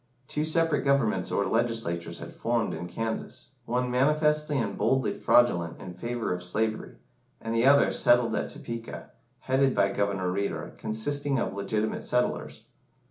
Two separate governments or legislatures had formed in Kansas, one manifestly and boldly fraudulent in favour of slavery, and the other settled at Topeka, headed by Governor Reeder, consisting of legitimate settlers.